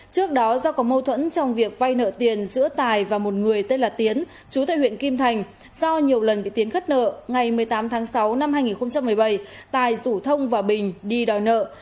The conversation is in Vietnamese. trước đó do có mâu thuẫn trong việc vay nợ tiền giữa tài và một người tên là tiến chú tại huyện kim thành do nhiều lần bị tiến khất nợ ngày một mươi tám tháng sáu năm hai nghìn một mươi bảy tài rủ thông và bình đi đòi nợ